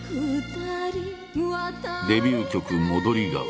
デビュー曲「戻り川」。